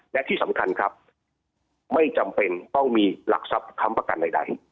และที่สำคัญครับไม่จำเป็นต้องมีหลักทรัพย์ค้ำประกันใด